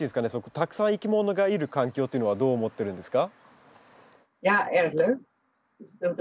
たくさんいきものがいる環境というのはどう思ってるんですか？